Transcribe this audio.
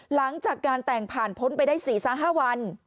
หลังจากการแต่งผ่านพ้นไปได้๔๕วัน